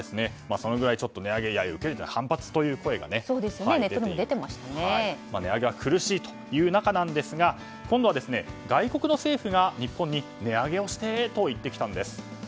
それぐらい値上げは苦しいという中ですが今度は外国の政府が日本に値上げをしてと言ってきたんです。